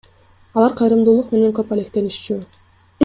Алар кайрымдуулук менен көп алектенишчү.